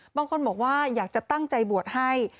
บางคนบอกว่าอยากจะตั้งใจบวชให้